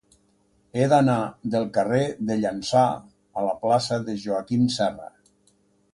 He d'anar del carrer de Llança a la plaça de Joaquim Serra.